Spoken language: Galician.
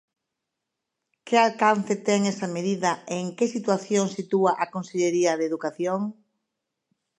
Que alcance ten esa medida e en que situación sitúa á Consellería de Educación?